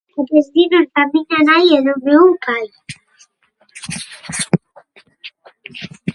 Na piscina ca miña nai e co meu pai.